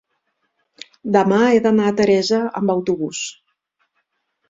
Demà he d'anar a Teresa amb autobús.